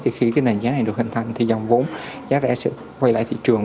thì khi cái nền giá này được hình thành thì dòng vốn giá rẻ sẽ quay lại thị trường